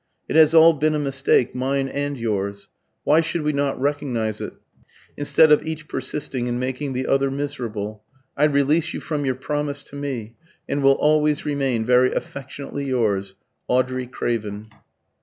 It has all been a mistake mine and yours. Why should we not recognise it, instead of each persisting in making the other miserable? I release you from your promise to me, and will always remain very affectionately yours, AUDREY CRAVEN."